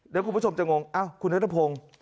เดี๋ยวคุณผู้ชมจะงงคุณนัทพงศ์